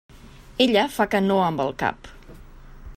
Ella fa que no amb el cap.